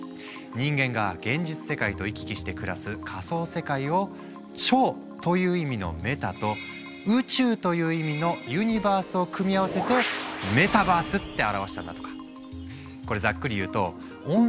人間が現実世界と行き来して暮らす仮想世界を「超」という意味のメタと「宇宙」という意味のユニバースを組み合わせてメタバースって表したんだとか。